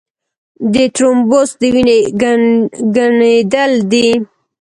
د ترومبوس د وینې ګڼېدل دي.